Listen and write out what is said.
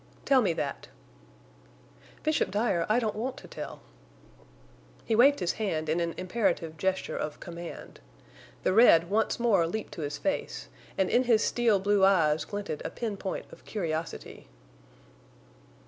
"Tell me that." "Bishop Dyer, I don't want to tell." He waved his hand in an imperative gesture of command. The red once more leaped to his face, and in his steel blue eyes glinted a pin point of curiosity.